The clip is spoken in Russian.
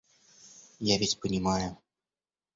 Я ведь понимаю.